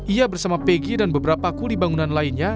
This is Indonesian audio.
ia bersama pegi dan beberapa kuli bangunan lainnya